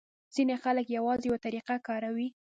ځینې خلک یوازې یوه طریقه کاروي.